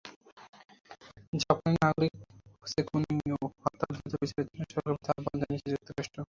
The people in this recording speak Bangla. জাপানের নাগরিক হোসে কুনিও হত্যার দ্রুত বিচারের জন্য সরকারের প্রতি আহ্বান জানিয়েছে যুক্তরাষ্ট্র।